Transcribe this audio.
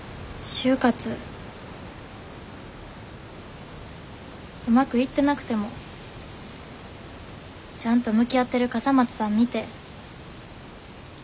就活うまくいってなくてもちゃんと向き合ってる笠松さん見て何か元気出て。